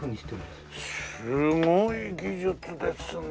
すごい技術ですね。